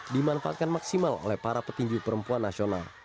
dimanfaatkan maksimal oleh para petinju perempuan nasional